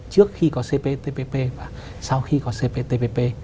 trước khi có cptpp và sau khi có cptpp